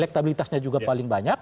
elektabilitasnya juga paling banyak